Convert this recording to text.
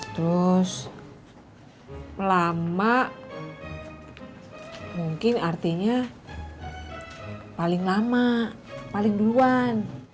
terus lama mungkin artinya paling lama paling duluan